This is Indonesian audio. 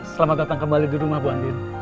selamat datang kembali di rumah bu andin